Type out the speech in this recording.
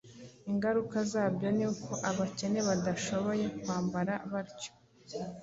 Ingaruka zabyo ni uko abakene badashoboye kwambara batyo